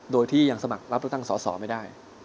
โดยที่ยังสมัครรับเลือกตั้งสอสอไม่ได้